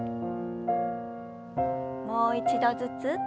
もう一度ずつ。